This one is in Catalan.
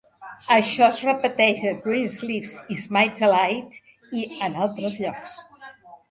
Això es repeteix a "Greensleeves is my delight" i en altres llocs.